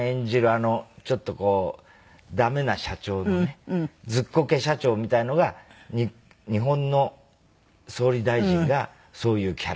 あのちょっとこうダメな社長のねズッコケ社長みたいのが日本の総理大臣がそういうキャラクターで。